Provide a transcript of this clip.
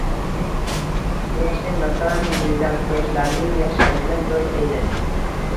Ko‘pchilik Vatan millatdoshlaring yashaydigan joy, deydi…